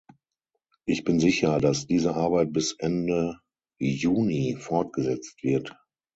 Ich bin sicher, dass diese Arbeit bis Ende Juni fortgesetzt wird.